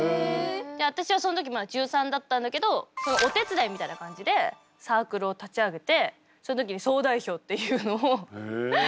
私はその時まだ中３だったんだけどお手伝いみたいな感じでサークルを立ち上げてその時に総代表っていうのをやらせてもらって。